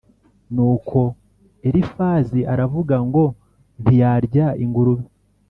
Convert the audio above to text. Nuko Elifazi aravuga ngo ntiyarya ingurube